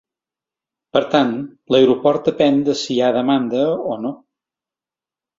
Per tant, l’aeroport depèn de si hi ha demanda o no.